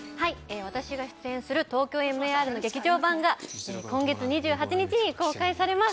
私が出演する「ＴＯＫＹＯＭＥＲ」の劇場版が今月２８日に公開されます。